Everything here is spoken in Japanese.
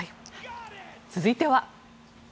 続いては。